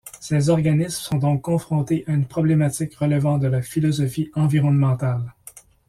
Ces organismes sont donc confrontés à une problématique relevant de la philosophie environnementale.